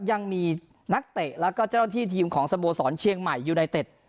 ยังมีนักเตะแล้วก็เจ้าหน้าที่ทีมของสโมสรเชียงใหม่ยูไนเต็ด